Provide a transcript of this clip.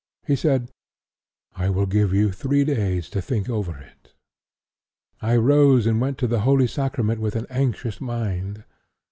He said: 'I will give you three days to think over it.' I rose and went to the Holy Sacrament with an anxious mind.